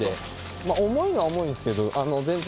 まあ重いのは重いんですけど全然。